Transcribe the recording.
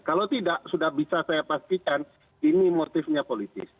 kalau tidak sudah bisa saya pastikan ini motifnya politis